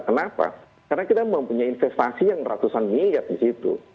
kenapa karena kita mempunyai investasi yang ratusan miliar di situ